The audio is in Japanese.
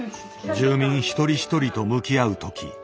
住民一人一人と向き合う時